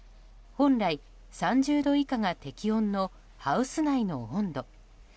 本来３０度以下が適温のハウス内の温度。